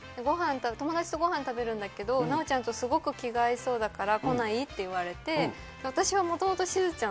友達とごはん食べるんだけど、奈緒ちゃんとすごく気が合いそうだから、来ない？って言われて、私はもともとしずちゃん